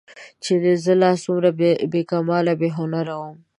چې زه لا څومره بې کماله بې هنره ومه